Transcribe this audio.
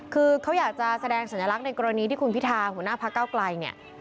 คือเขาอยากจะแสดงสัญลักษณ์ในกรณีที่คุณพิธาหัวหน้าพระเก้าไกลเนี่ย